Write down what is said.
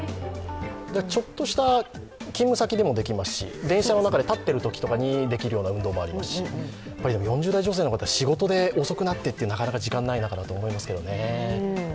ちょっとした勤務先でもできますし電車の中で立ってるときなどにできる運動などもありますし４０代女性の方は仕事で遅くなってということでなかなか時間がないと思いますけどね。